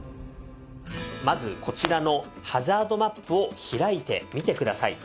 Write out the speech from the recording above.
まずこちらのハザードマップを開いて見てください。